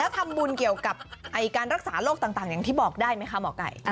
ทำบุญเกี่ยวกับการรักษาโรคต่างอย่างที่บอกได้ไหมคะหมอไก่